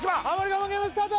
我慢ゲームスタート！